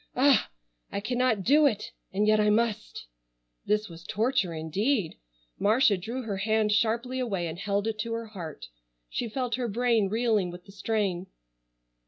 Ah! I cannot do it, and yet I must." This was torture indeed! Marcia drew her hand sharply away and held it to her heart. She felt her brain reeling with the strain.